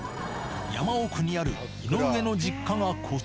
山奥にある井上の実家がこち